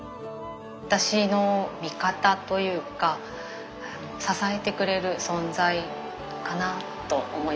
私の味方というか支えてくれる存在かなと思います。